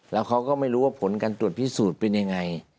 แล้วเขาก็ไม่รู้ว่าผลการตรวจพิสูจน์เป็นยังไง